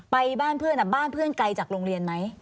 ไปบ้านเพื่อนบ้านเพื่อนไกลจากโรงเรียนไหม